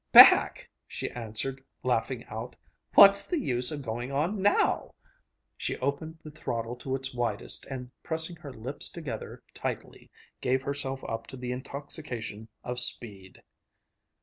"Back!" she answered, laughing out. "What's the use of going on now?" She opened the throttle to its widest and pressing her lips together tightly, gave herself up to the intoxication of speed.